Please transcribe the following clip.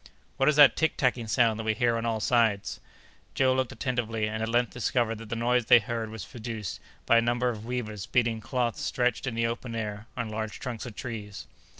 "What is that tick tacking sound that we hear on all sides?" Joe looked attentively, and at length discovered that the noise they heard was produced by a number of weavers beating cloth stretched in the open air, on large trunks of trees.